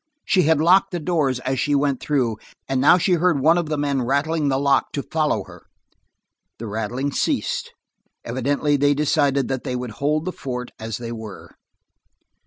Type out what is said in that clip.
She had locked the doors as she went through, and now she heard one of the men rattling the lock to follow her. The rattling ceased. Evidently they decided that they would hold the fort as they were.